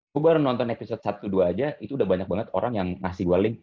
gue baru nonton episode satu dua aja itu udah banyak banget orang yang ngasih gue link